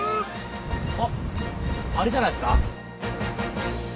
あっ、あれじゃないですか。